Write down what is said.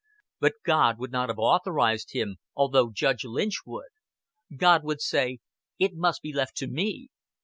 But God would not have authorized him, although Judge Lynch would. God would say: "It must be left to Me.